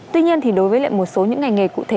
tuy nhiên thì đối với lại một số những ngành nghề cụ thể